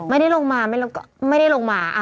ไม่ได้ลงมาไม่ได้ลงมา